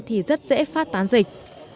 thì rất dễ phát tán dịch